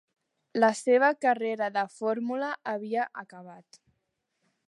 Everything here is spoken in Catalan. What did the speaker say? La seva carrera de Fórmula havia acabat.